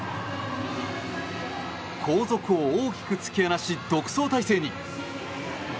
後続を大きく突き放し独走態勢に。